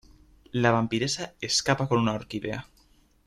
La vampiresa escapa con una orquídea.